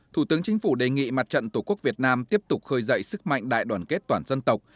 thủ tướng chính phủ đề nghị mặt trận tổ quốc việt nam tiếp tục khơi dậy sức mạnh đại đoàn kết toàn dân tộc